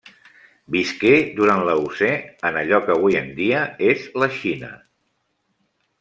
Visqué durant l'Eocè en allò que avui en dia és la Xina.